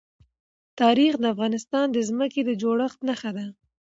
تاریخ د افغانستان د ځمکې د جوړښت نښه ده.